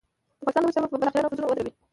د پاکستان د وجود تبه به بالاخره نبضونه ودروي.